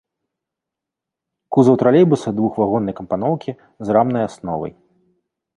Кузаў тралейбуса двухвагоннай кампаноўкі з рамнай асновай.